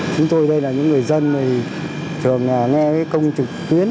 chúng tôi đây là những người dân mà thường nghe cái công trực tuyến